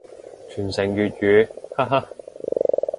傳承粵語，哈哈